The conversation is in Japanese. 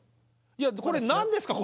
いやこれ何ですか？